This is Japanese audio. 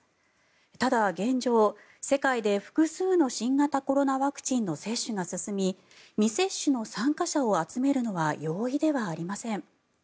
ただ、現状、世界で複数の新型コロナワクチンの接種が進み未接種の参加者を集めるのは容易ではありません。